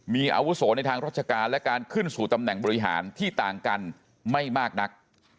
มีอาวุโสในทางราชการและการขึ้นสู่ตำแหน่งบริหารที่ต่างกันไม่มากนัก